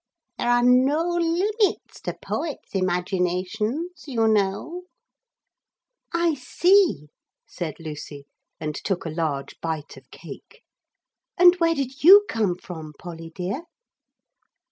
There are no limits to poets' imaginations, you know.' 'I see,' said Lucy, and took a large bite of cake. 'And where did you come from, Polly, dear?'